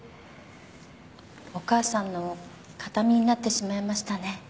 お母さんの形見になってしまいましたね。